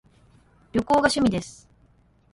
旅行が趣味です